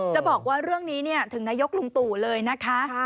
จะบอกว่าเรื่องนี้ถึงนายกลุงตู่เลยนะคะ